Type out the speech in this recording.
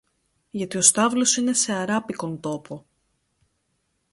Γιατί ο στάβλος είναι σε αράπικον τόπο.